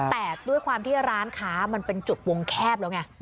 แต่ด้วยความที่ร้านค้ามันเป็นจุดวงแคบแล้วไง